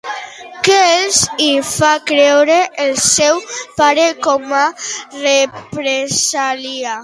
Què els hi fa creure el seu pare com a represàlia?